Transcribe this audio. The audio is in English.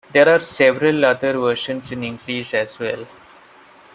There are several other versions in English as well.